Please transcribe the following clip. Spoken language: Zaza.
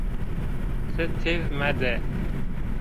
Ti têv mede!